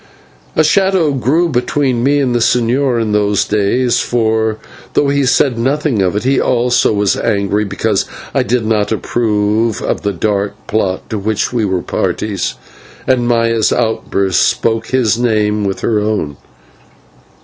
A shadow grew between me and the señor in those days; for, though he said nothing of it, he also was angry because I did not approve of the dark plot to which we were parties, and Maya's outburst spoke his mind with her own.